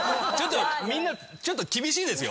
みんなちょっと厳しいですよ